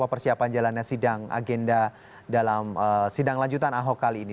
persiapan jalannya sidang agenda dalam sidang lanjutan ahok kali ini